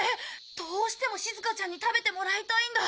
どうしてもしずかちゃんに食べてもらいたいんだ。